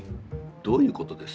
どういうことです？